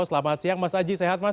selamat siang mas aji sehat mas